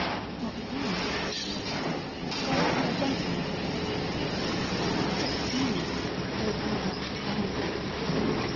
"What was he?" "A scholar and a gentleman." This was news, though it did not much surprise me.